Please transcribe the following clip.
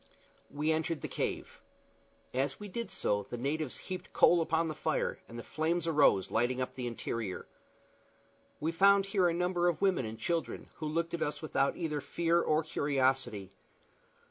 We entered the cave. As we did so the natives heaped coal upon the fire, and the flames arose, lighting up the interior. We found here a number of women and children, who looked at us without either fear or curiosity.